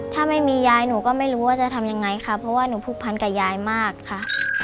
ถ้าไม่มียายหนูก็ไม่รู้ว่าจะทำยังไงค่ะเพราะว่าหนูผูกพันกับยายมากค่ะ